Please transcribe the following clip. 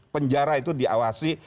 penjara itu diawasi